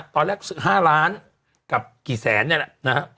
ตอนแรก๕ล้านกับกี่แสนเนี่ยแหละนะฮะ